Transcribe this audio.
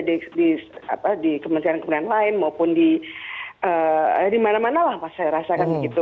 jadi di kementerian perhubungan lain maupun di mana mana lah pak saya rasa